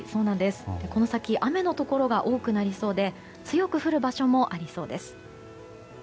この先雨のところが多くなりそうで強く降る場所もありそうです。